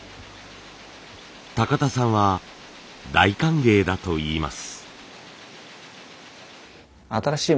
田さんは大歓迎だといいます。